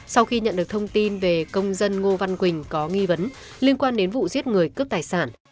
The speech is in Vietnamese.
sau khi nhận được thông tin về công dân ngô văn quỳnh có nghi vấn liên quan đến vụ giết người cướp tài sản